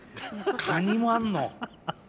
カニもあんの？